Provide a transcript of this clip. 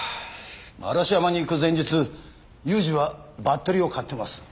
嵐山に行く前日裕二はバッテリーを買ってます。